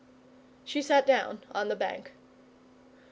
She sat down on the bank.